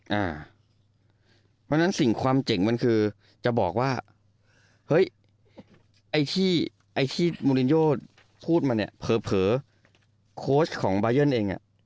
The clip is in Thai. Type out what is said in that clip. เพราะฉะนั้นสิ่งความเจ๋งมันคือจะบอกว่าเฮ้ยไอ้ที่บูรินโยพูดไหมเนี่ยเผอบเผอโคชของบายเยอร์เองอ่ะ